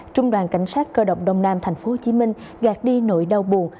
trung đoàn cảnh sát cơ động đông nam tp hcm gạt đi nỗi đau buồn